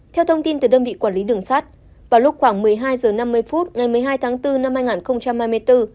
theo thông tin từ đơn vị quản lý đường sát vào lúc khoảng một mươi hai h năm mươi phút ngày một mươi hai tháng bốn năm hai nghìn hai mươi bốn